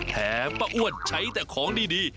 แถมปะอ้วนใช้แต่ของดี